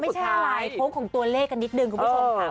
ไม่ใช่อะไรโค้งของตัวเลขกันนิดนึงคุณผู้ชมค่ะ